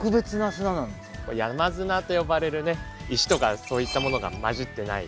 山砂と呼ばれる石とかそういったものが混じってない